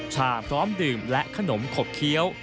ชาพร้อมดื่มและขนมขบเคี้ยว